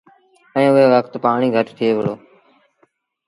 اُئي وکت پآڻيٚ گھٽ ٿئي وُهڙو۔